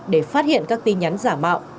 để phát hiện các tin nhắn giả mạo